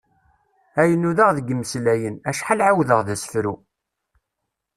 Ay nudaɣ deg imeslayen, acḥal ɛawdeɣ d asefru!